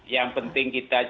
yang penting kita